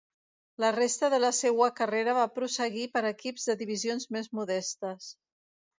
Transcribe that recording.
La resta de la seua carrera va prosseguir per equips de divisions més modestes.